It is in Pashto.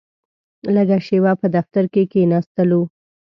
لږه شېبه په دفتر کې کښېناستلو.